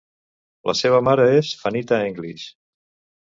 La seva mare és Fanita English.